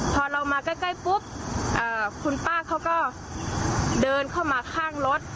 พอเรามาใกล้ปุ๊บคุณป้าเขาก็เดินเข้ามาข้างรถ